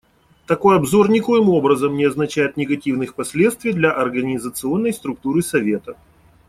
Такой обзор никоим образом не означает негативных последствий для организационной структуры Совета.